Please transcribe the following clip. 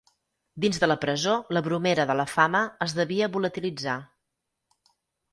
Dins de la presó la bromera de la fama es devia volatilitzar.